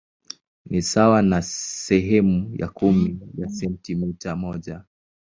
Ni sawa na sehemu ya kumi ya sentimita moja.